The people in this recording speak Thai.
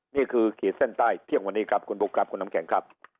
ขีดเส้นใต้เที่ยงวันนี้ครับคุณบุ๊คครับคุณน้ำแข็งครับ